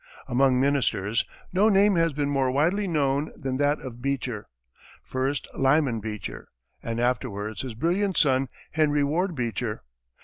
[Illustration: BEECHER] Among ministers, no name has been more widely known than that of Beecher first, Lyman Beecher, and afterwards his brilliant son, Henry Ward Beecher.